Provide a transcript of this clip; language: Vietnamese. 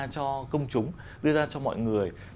nó cũng không quá lắng